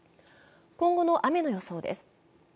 今後の雨の予想です。